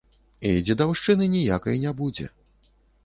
І дзедаўшчыны ніякай не будзе.